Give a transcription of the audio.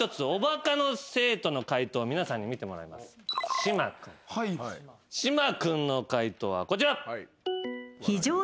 島君の解答はこちら。